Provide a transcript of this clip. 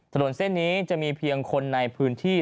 ถนนเส้นนี้จะมีเพียงคนในพื้นที่